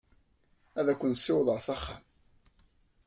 Ad ken-ssiwḍeɣ s axxam?